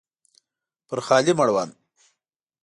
پر خالي مړوند